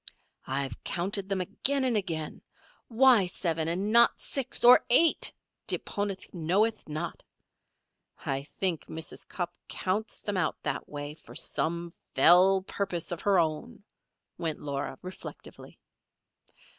"I've counted them again and again. Why seven, and not six, or eight, deponent knoweth not. I think Mrs. Cupp counts them out that way for some fell purpose of her own," went on Laura, reflectively.